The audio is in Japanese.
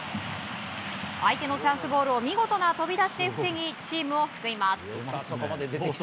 相手のチャンスボールを見事な飛び出しで防ぎチームを救います。